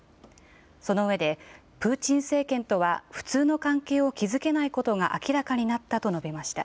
そのうえで、プーチン政権とは普通の関係を築けないことが明らかになったと述べました。